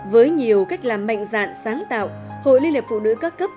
với nhiều cách làm mạnh dạn sáng tạo hội liên lập phụ nữ các cấp